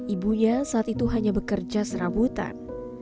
ibunya saat itu hanya bekerja serabutan